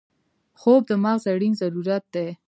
خوب د مغز اړین ضرورت دی